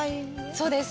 そうです。